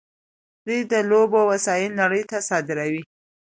دوی د لوبو وسایل نړۍ ته صادروي.